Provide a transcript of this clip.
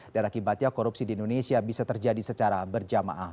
dan akibatnya korupsi di indonesia bisa terjadi secara berjamaah